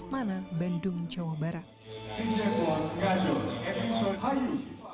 tiga dua satu